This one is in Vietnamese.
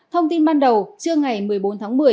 thông tin ban đầu trưa ngày một mươi bốn tháng một mươi